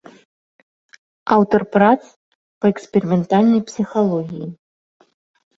Аўтар прац па эксперыментальнай псіхалогіі.